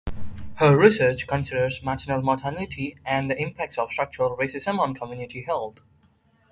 Her research considers maternal mortality and the impacts of structural racism on community health.